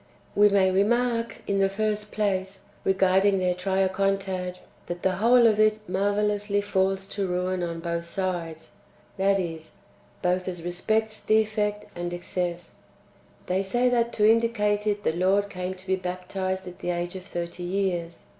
1. We may^ remark, in the first place, regarding their Triacontad, that the whole of it marvellously falls to ruin on both sides, that is, both as respects defect and excess. They say that to indicate it the Lord came to be baptized at the age of thirty years.